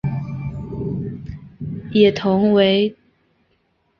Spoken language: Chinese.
野桐为大戟科野桐属下的一个变种。